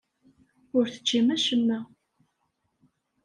Ur teččim acemma.